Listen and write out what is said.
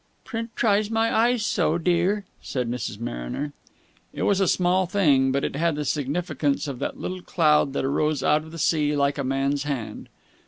"Print tries my eyes so, dear," said Mrs. Mariner. It was a small thing, but it had the significance of that little cloud that arose out of the sea like a man's hand.